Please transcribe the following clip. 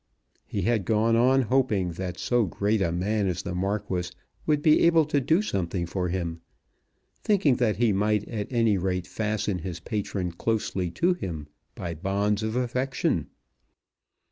He had gone on hoping that so great a man as the Marquis would be able to do something for him, thinking that he might at any rate fasten his patron closely to him by bonds of affection.